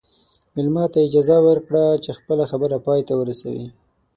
مېلمه ته اجازه ورکړه چې خپله خبره پای ته ورسوي.